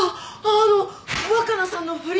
あの若菜さんの不倫の。